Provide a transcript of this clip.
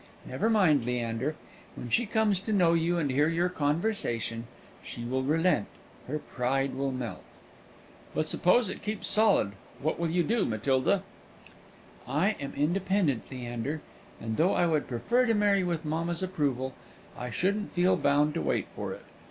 Never mind, Leander; when she comes to know you and hear your conversation, she will relent; her pride will melt." "But suppose it keeps solid; what will you do, Matilda?" "I am independent, Leander; and though I would prefer to marry with mamma's approval, I shouldn't feel bound to wait for it.